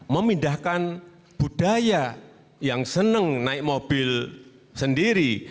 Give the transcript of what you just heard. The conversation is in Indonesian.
memindahkan budaya yang senang naik mobil sendiri